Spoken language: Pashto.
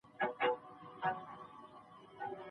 هغه حق په ژوند کي نه سی اخیستلای